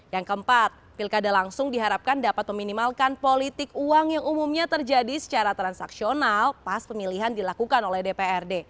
yang keempat pilkada langsung diharapkan dapat meminimalkan politik uang yang umumnya terjadi secara transaksional pas pemilihan dilakukan oleh dprd